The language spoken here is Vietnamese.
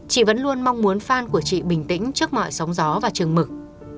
chị vẫn luôn mong muốn phan của chị bình tĩnh trước mọi sóng gió và trường mực